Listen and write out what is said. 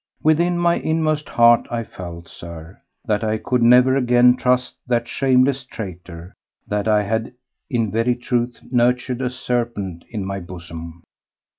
Within my inmost heart I felt, Sir, that I could never again trust that shameless traitor—that I had in very truth nurtured a serpent in my bosom.